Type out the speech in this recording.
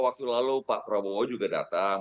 waktu lalu pak prabowo juga datang